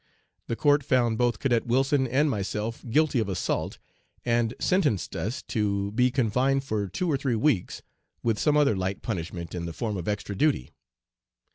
"The court found both Cadet Wilson and myself 'guilty' of assault, and sentenced us to be confined for two or three weeks, with some other light punishment in the form of 'extra duty.'